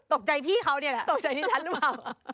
พี่เขาเนี่ยแหละตกใจที่ฉันหรือเปล่า